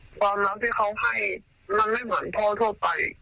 ความรักที่เขาให้มันไม่เหมือนพ่อทั่วไป